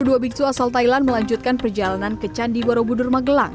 kedua biksu asal thailand melanjutkan perjalanan ke candi borobudur magelang